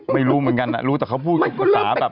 ไม่รู้เหมือนกันรู้แต่เขาพูดภาษาแบบ